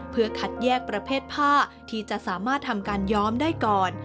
เพื่อคัดแยกประเภทผ้าที่จะสามารถทำการย้อมได้ก่อน